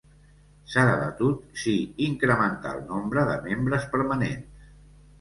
S'ha debatut si incrementar el nombre de membres permanents.